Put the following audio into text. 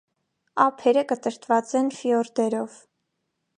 Ափերը կտրտված են ֆիորդերով։